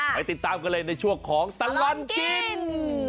ไปติดตามกันเลยในช่วงของตลอดกิน